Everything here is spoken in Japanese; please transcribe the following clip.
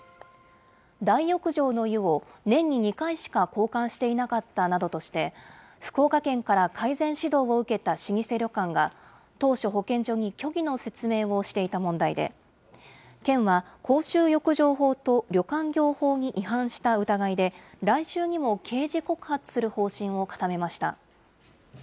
大浴場の湯を年に２回しか交換していなかったなどとして、福岡県から改善指導を受けた老舗旅館が、当初、保健所に虚偽の説明をしていた問題で、県は公衆浴場法と旅館業法に違反した疑いで、来週にも刑事告発する方針を固めました。